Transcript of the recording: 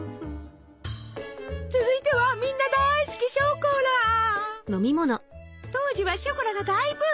続いてはみんな大好き当時はショコラが大ブーム！